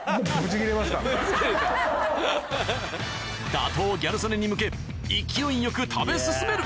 打倒ギャル曽根に向け勢いよく食べ進める